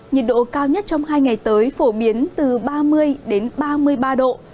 nhiệt độ cao nhất trong hai ngày tới phổ biến từ ba mươi đến ba mươi ba độ